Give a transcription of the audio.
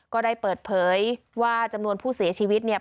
ก็ได้เปิดเผยว่าจำนวนผู้เสียชีวิตเนี่ย